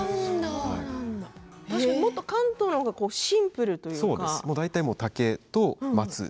確かにもっと関東の方がシンプルというか。